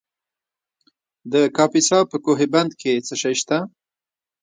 د کاپیسا په کوه بند کې څه شی شته؟